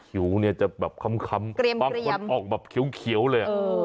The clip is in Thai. ผิวเนี่ยจะแบบค้ำบางคนออกแบบเขียวเลย